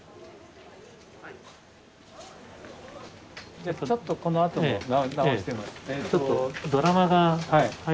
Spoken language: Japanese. じゃちょっとこのあとも直してみます。